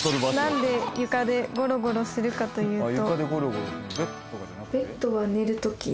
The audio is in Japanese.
「何で床でゴロゴロするかというと」